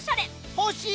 欲しい！